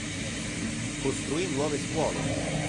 Costruì nuove scuole.